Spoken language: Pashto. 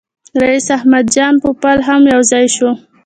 رییس احمد جان پوپل هم یو ځای شو.